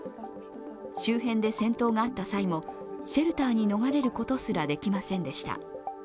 周辺で戦闘があった際もシェルターに逃れることすらできませんでした。